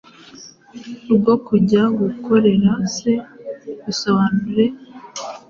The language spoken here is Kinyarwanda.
rwo kujya guhorera se? Bisobanure.